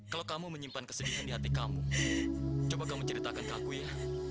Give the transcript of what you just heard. kalau kamu menyimpan kesedihan di hati kamu coba kamu ceritakan ke aku ya